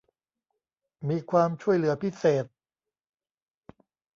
มีความช่วยเหลือพิเศษ